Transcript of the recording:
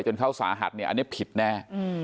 จนเขาสาหัสอันนี้ผิดแน่